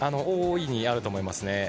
大いにあると思いますね。